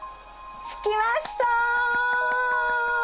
つきました！